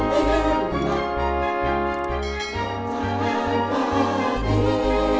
kan trace atau aku sudah berubah